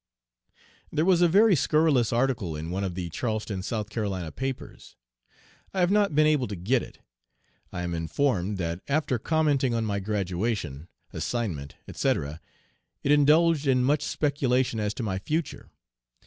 There was a very scurrilous article in one of the Charleston (S.C.) papers. I have not been able to get it. I am informed that after commenting on my graduation, assignment, etc., it indulged in much speculation as to my future.